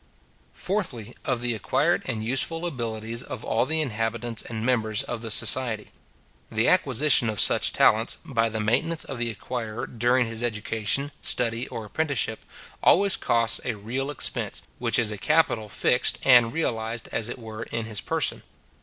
Fourthly, of the acquired and useful abilities of all the inhabitants and members of the society. The acquisition of such talents, by the maintenance of the acquirer during his education, study, or apprenticeship, always costs a real expense, which is a capital fixed and realized, as it were, in his person.